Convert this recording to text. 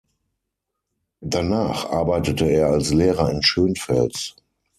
Danach arbeitete er als Lehrer in Schönfels.